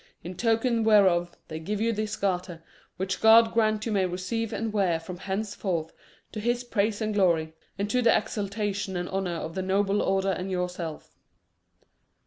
In token whereof, they give you this garter, which God grant you may receive and wear from henceforth to His praise and glory, and to the exaltation and honour of the noble Order and yourself."